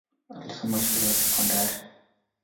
Alisoma shule ya sekondari.